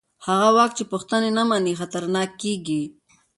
هغه واک چې پوښتنې نه مني خطرناک کېږي